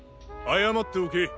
謝っておけ。